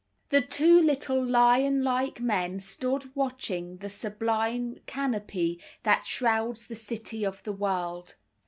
The two little lion like men stood watching "the sublime canopy that shrouds the city of the world."